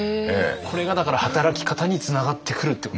これがだから働き方につながってくるってことですね。